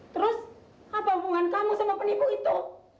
terus apa hubungan kamu sama penipu itu